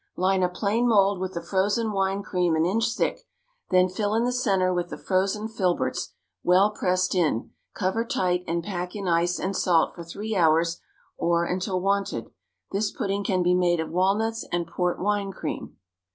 Line a plain mould with the frozen wine cream an inch thick; then fill in the centre with the frozen filberts well pressed in; cover tight, and pack in ice and salt for three hours, or until wanted. This pudding can be made of walnuts and port wine cream.